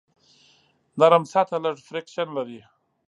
نرم سطحه لږ فریکشن لري.